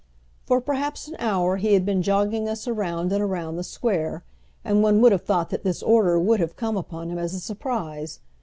For perhaps an hour he had been jogging us around and around the Square, and one would have thought that this order would have come upon him as a surprise.